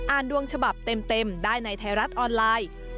ดวงฉบับเต็มได้ในไทยรัฐออนไลน์